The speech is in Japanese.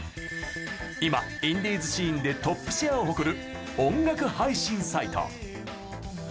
今、インディーズシーンでトップシェアを誇る音楽配信サイト。